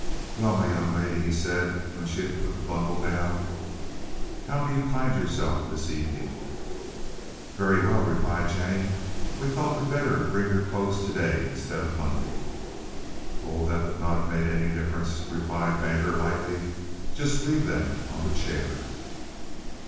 "Well, my young lady," he said when she had put the bundle down, "how do you find yourself this evening?" "Very well," replied Jennie. "We thought we'd better bring your clothes to day instead of Monday." "Oh, that would not have made any difference," replied Brander lightly. "Just leave them on the chair."